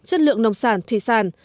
chất lượng nông sản thủy sản